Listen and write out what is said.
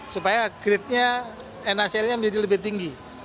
supaya gridnya nacl nya menjadi lebih tinggi